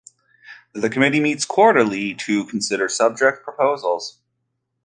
The committee meets quarterly to consider subject proposals.